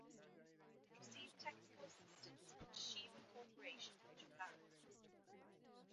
It received technical assistance from Toshiba Corporation of Japan.